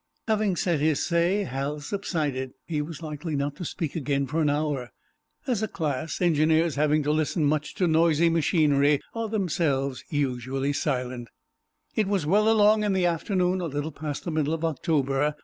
Having said his say, Hal subsided. He was likely not to speak again for an hour. As a class, engineers, having to listen much to noisy machinery, are themselves silent. It was well along in the afternoon, a little past the middle of October.